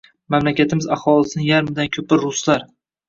Mamlakatimiz aholisining yarmidan koʻpi ruslar